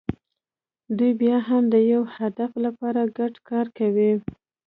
دوی بیا هم د یوه هدف لپاره ګډ کار کوي.